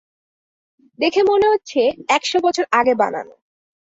দেখে মনে হচ্ছে একশো বছর আগে বানানো।